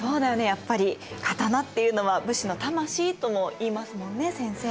やっぱり刀っていうのは武士の魂ともいいますもんね先生。